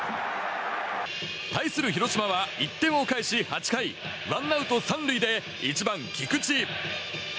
対する広島は１点を返し８回ワンアウト３塁で１番、菊池。